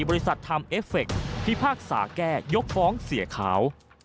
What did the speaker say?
บริษัททำเอฟเฟคพิพากษาแก้ยกฟ้องเสียขาว